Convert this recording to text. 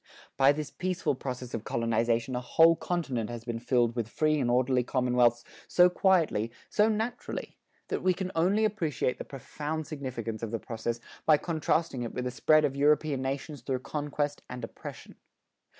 By this peaceful process of colonization a whole continent has been filled with free and orderly commonwealths so quietly, so naturally, that we can only appreciate the profound significance of the process by contrasting it with the spread of European nations through conquest and oppression.